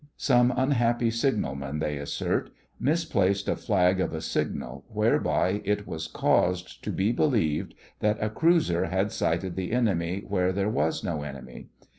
Some unhappy signalman, they assert, misplaced a flag of a signal whereby it was caused to be believed that a cruiser had sighted the enemy where there was no enemy.